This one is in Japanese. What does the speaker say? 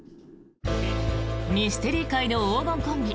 ミステリー界の黄金コンビ